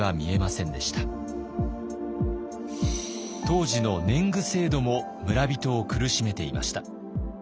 当時の年貢制度も村人を苦しめていました。